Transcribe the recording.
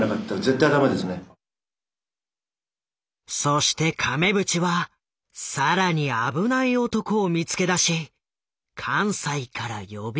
そして亀渕は更に危ない男を見つけ出し関西から呼び寄せる。